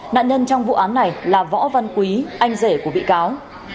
nạn nhân trong vụ án này là võ văn quý anh rể của bị cáo